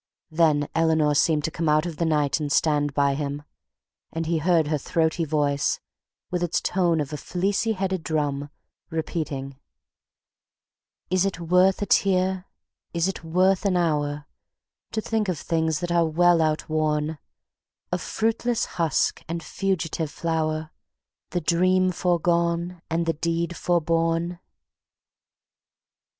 Then Eleanor seemed to come out of the night and stand by him, and he heard her throaty voice, with its tone of a fleecy headed drum, repeating: "Is it worth a tear, is it worth an hour, To think of things that are well outworn; Of fruitless husk and fugitive flower, The dream foregone and the deed foreborne?"